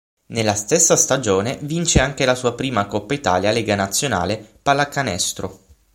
Nella stessa stagione vince anche la sua prima Coppa Italia Lega Nazionale Pallacanestro.